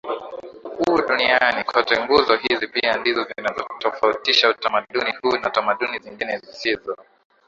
huu duniani kote Nguzo hizi pia ndizo zinazoutofautisha utamaduni huu na tamaduni zingine zisizo